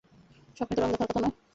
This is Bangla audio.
স্বপ্নে তো রঙ দেখার কথা নয়।